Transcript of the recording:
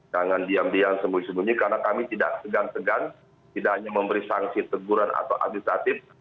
jangan diam diam sembunyi sembunyi karena kami tidak segan segan tidak hanya memberi sanksi teguran atau administratif